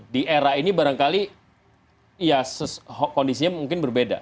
di era ini barangkali ya kondisinya mungkin berbeda